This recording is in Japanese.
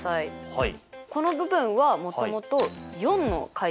はい。